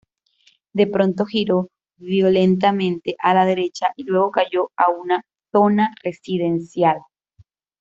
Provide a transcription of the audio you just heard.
De pronto giró violentamente a la derecha y luego cayó a una zona residencial.